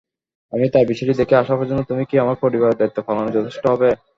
আমি তার বিষয়টি দেখে আসা পর্যন্ত তুমি কি আমার পরিবারের দায়িত্ব পালনে যথেষ্ট হবে?